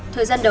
thời gian đổi